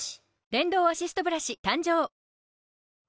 電動アシストブラシ誕生！